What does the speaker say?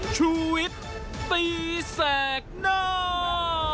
ชุวิตตีแสดหน้า